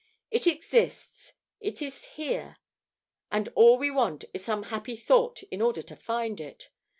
It exists; it is here; and all we want is some happy thought in order to find it.